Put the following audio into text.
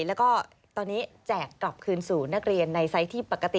แล้วก็ตอนนี้แจกกลับคืนสู่นักเรียนในไซส์ที่ปกติ